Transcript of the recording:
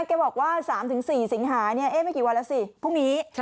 แกบอกว่า๓๔สิงหาเนี่ยเอ๊ะไม่กี่วันล่ะสิพรุ่งนี้